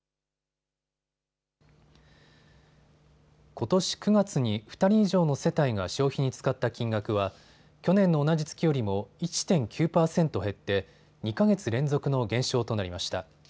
ことし９月に２人以上の世帯が消費に使った金額は去年の同じ月よりも１．９％減って２か月連続の減少となりました。